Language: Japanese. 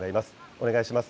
お願いします。